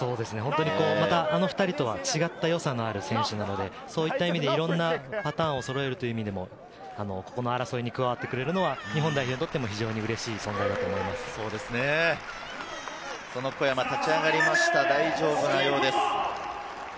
あの２人とは違ったよさのある選手なので、いろいろなパターンをそろえるという意味でも、この争いに加わってくれるのは日本代表にとっても、小山、立ち上がりました、大丈夫なようです。